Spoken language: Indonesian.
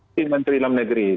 tim menteri dalam negeri